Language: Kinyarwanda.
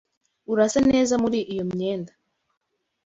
Urasa neza muri iyo myenda.